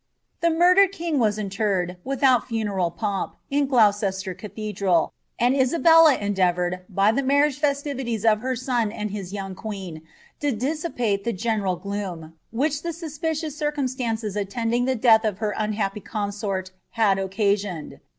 The murdered king was interred, without funeral pomp, inOhimuf cathedral, and Isabella endeavoured, by the marriage fesiiTiiieauTbcnoi and hia young queen, to dissipate the general gloom, which Uw t«p cious c ire urns lances attending the death of her unhappy emuon W occasioned.